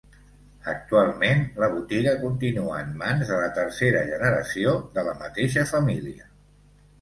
Actualment, la botiga continua en mans de la tercera generació de la mateixa família.